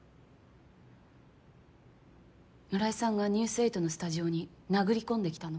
村井さんが「ニュース８」のスタジオに殴り込んできたの。